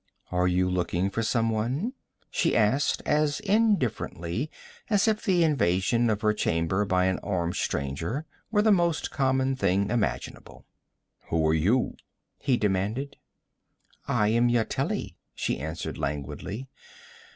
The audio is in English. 'Are you looking for someone?' she asked, as indifferently as if the invasion of her chamber by an armed stranger were the most common thing imaginable. 'Who are you?' he demanded. 'I am Yateli,' she answered languidly.